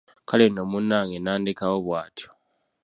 Kale nno munnange n'andekawo bw’atyo.